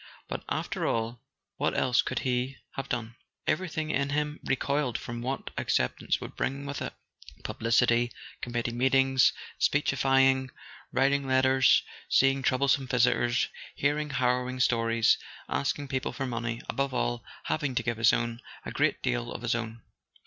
But, after all, what else could he have done? Everything in him recoiled from what acceptance would bring with it: publicity, committee meetings, speechifying, writing letters, seeing troublesome visitors, hearing harrow¬ ing stories, asking people for money—above all, hav¬ ing to give his own; a great deal of his own.